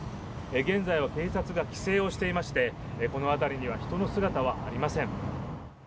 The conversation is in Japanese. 現在は警察が規制をしていまして、この辺りには人の姿はありません。